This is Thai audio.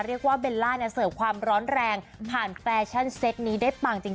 เรียกว่าเบลล่าเนี่ยเสิร์ฟความร้อนแรงผ่านแฟชั่นเซตนี้ได้ปังจริง